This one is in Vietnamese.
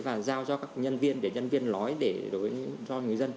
và giao cho các nhân viên để nhân viên nói cho người dân